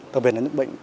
đặc biệt là những bệnh